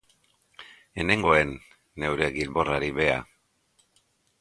Ez nengoen neure gilborrari beha.